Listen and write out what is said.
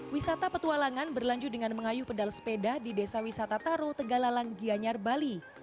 wisata petualangan berlanjut dengan mengayuh pedal sepeda di desa wisata taro tegalalang gianyar bali